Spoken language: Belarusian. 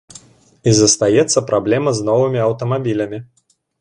І застаецца праблема з новымі аўтамабілямі.